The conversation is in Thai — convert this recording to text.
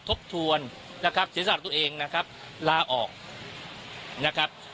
ทบทวนนะครับศีรษะตัวเองนะครับลาออกนะครับ